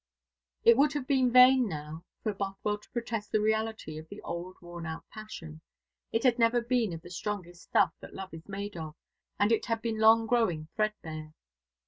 It would have been vain now for Bothwell to protest the reality of the old worn out passion. It had never been of the strongest stuff that love is made of, and it had long been growing threadbare.